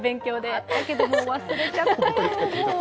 あったけど、もう忘れちゃったよ。